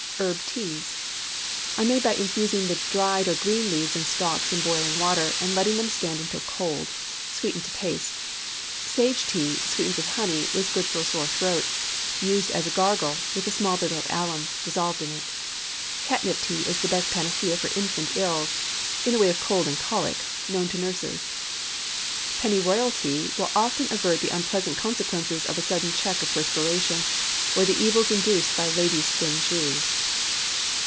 HERB TEAS Are made by infusing the dried or green leaves and stalks in boiling water, and letting them stand until cold. Sweeten to taste. Sage tea, sweetened with honey, is good for a sore throat, used as a gargle, with a small bit of alum dissolved in it. Catnip tea is the best panacea for infant ills, in the way of cold and colic, known to nurses. Pennyroyal tea will often avert the unpleasant consequences of a sudden check of perspiration, or the evils induced by ladies' thin shoes.